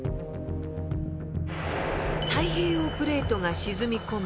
太平洋プレートが沈み込む